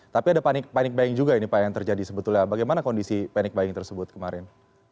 tapi ada panik bayang juga yang terjadi sebetulnya bagaimana kondisi panik bayang tersebut kemarin